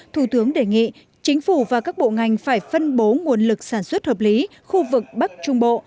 thủ tướng đề nghị chính phủ và các bộ ngành phải phân bố nguồn lực sản xuất hợp lý khu vực bắc trung bộ